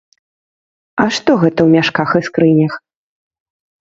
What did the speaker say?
А што гэта ў мяшках і скрынях?